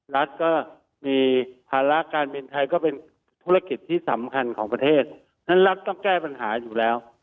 รัฐก็มีภาระการบินไทยก็เป็นธุรกิจที่สำคัญของประเทศนั้นรัฐต้องแก้ปัญหาอยู่แล้ว